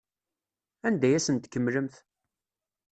Anda ay asen-tkemmlemt?